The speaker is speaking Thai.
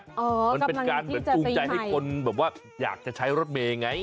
อ๋อกำลังอยู่ที่จะปีใหม่มันเป็นการฟูมิใจให้คนอยากจะใช้รถเมย์ไง